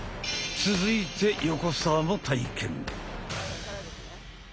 続いて横澤も体験。